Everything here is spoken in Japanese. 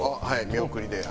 見送りで。